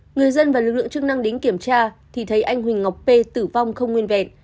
người dân và lực lượng chức năng đến kiểm tra thì thấy anh huỳnh ngọc p tử vong không nguyên vẹn